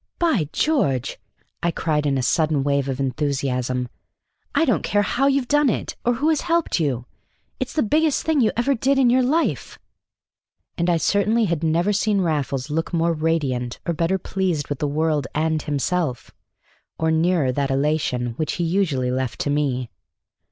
By George," I cried, in a sudden wave of enthusiasm, "I don't care how you've done it or who has helped you. It's the biggest thing you ever did in your life!" And certainly I had never seen Raffles look more radiant, or better pleased with the world and himself, or nearer that elation which he usually left to me.